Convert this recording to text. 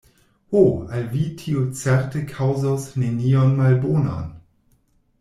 Ho, al vi tio certe kaŭzos nenion malbonan!